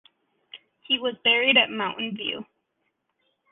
He was buried at Mountain View.